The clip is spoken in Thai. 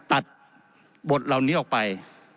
ตัดบทเหล่านี้ออกไป